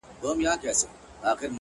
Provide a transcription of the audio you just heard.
عاجزي د لویو زړونو ځانګړنه ده